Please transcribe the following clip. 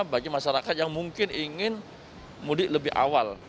bagi masyarakat yang mungkin ingin mudik lebih awal